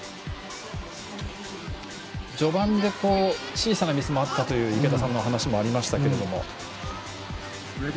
序盤で小さなミスもあったという池田さんの話もありましたけども。